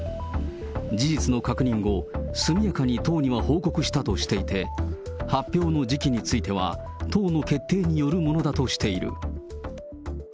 事実の確認後、速やかに党には報告したとしていて、発表の時期については党の決定によるものだとしている。